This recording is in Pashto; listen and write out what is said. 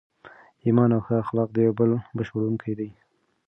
ایمان او ښه اخلاق د یو بل بشپړونکي دي.